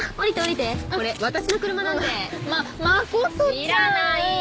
知らない！